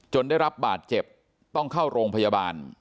ได้รับบาดเจ็บต้องเข้าโรงพยาบาล